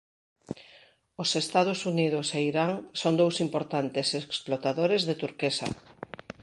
Os Estados Unidos e Irán son dous importantes explotadores de turquesa.